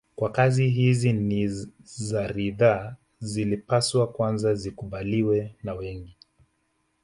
Kwa kazi hizi ni za ridhaa zilipaswa kwanza zikubaliwe na wengi